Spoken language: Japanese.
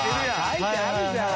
書いてあるじゃん！